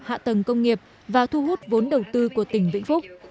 hạ tầng công nghiệp và thu hút vốn đầu tư của tỉnh vĩnh phúc